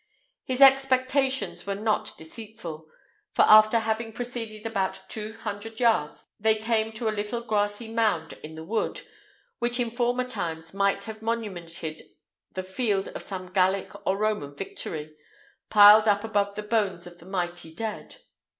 His expectations were not deceitful; for after having proceeded about two hundred yards, they came to a little grassy mound in the wood, which in former times might have monumented the field of some Gallic or Roman victory, piled up above the bones of the mighty dead.